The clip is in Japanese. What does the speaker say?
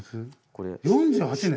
４８年？